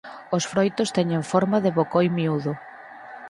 Os froitos teñen forma de bocoi miúdo.